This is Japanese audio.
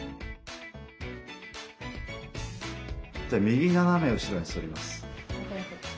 じゃあ右斜め後ろに反ります。